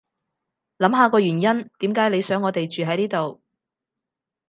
諗下個原因點解你想我哋住喺呢度